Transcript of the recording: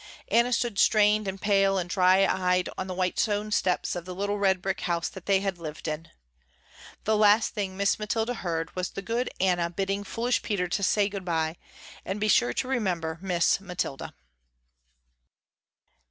Anna stood strained and pale and dry eyed on the white stone steps of the little red brick house that they had lived in. The last thing Miss Mathilda heard was the good Anna bidding foolish Peter say good bye and be sure to remember Miss Mathilda.